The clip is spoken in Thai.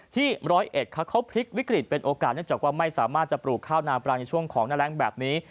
ร้อยเอ็ดเขาพลิกวิกฤตเป็นโอกาสเนื่องจากว่าไม่สามารถจะปลูกข้าวนาปลาในช่วงของหน้าแรงแบบนี้